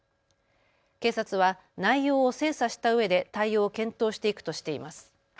警察は内容を精査したうえで対応を検討していくとしています。